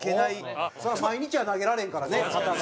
そりゃ毎日は投げられへんからね肩が。